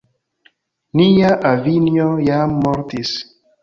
Nia avinjo jam mortis.